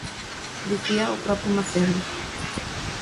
Dicíao o propio Macedo.